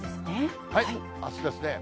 あすですね。